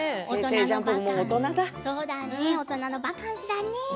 大人のバカンスだね。